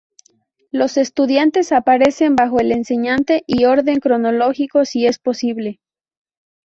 Los estudiantes aparecen bajo el enseñante y en orden cronológico, si es posible.